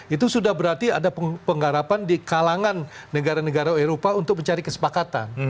itu sudah berarti ada penggarapan di kalangan negara negara eropa untuk mencari kesepakatan